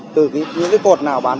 từ những cột nào bán chín mươi hai